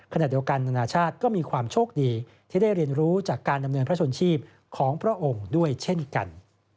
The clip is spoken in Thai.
ขณะเดียวกันนานาชาติก็มีความโชคดีที่ได้เรียนรู้จากการดำเนินพระชนชีพของพระองค์ด้วยเช่นกัน